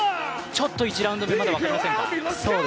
１ラウンド目、まだ分かりませんか。